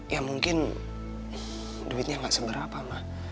ya mungkin duitnya gak seberapa ma